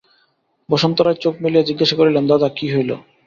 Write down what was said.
বসন্ত রায় চোখ মেলিয়া জিজ্ঞাসা করিলেন, দাদা, কী হইল?